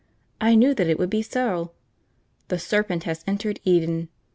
I knew that it would be so! The serpent has entered Eden.